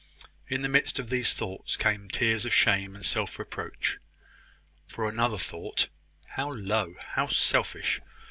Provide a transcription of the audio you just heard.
In the midst of these thoughts came tears of shame and self reproach; for another thought (how low! how selfish!)